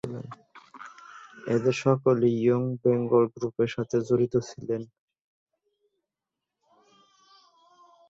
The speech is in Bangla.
এঁদের সকলেই ইয়ং বেঙ্গল গ্রুপের সাথে জড়িত ছিলেন।